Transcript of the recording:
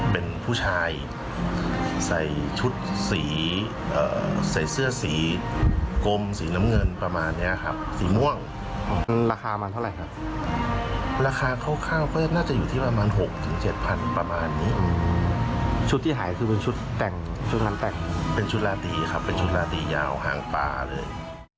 เป็นชุดราตรีครับเป็นชุดราตรียาวหางปลาเลย